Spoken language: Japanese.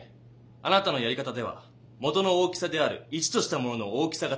あなたのやり方では元の大きさである１としたものの大きさがちがっていたんです。